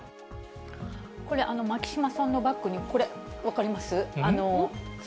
これ、牧島さんのバックに、これ、分かります？